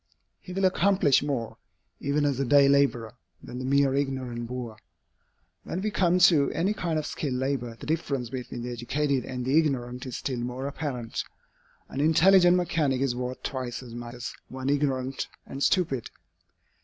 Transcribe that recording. He will accomplish more, even as a day laborer, than the mere ignorant boor. When we come to any kind of skilled labor, the difference between the educated and the ignorant is still more apparent. An intelligent mechanic is worth twice as much as one ignorant and stupid.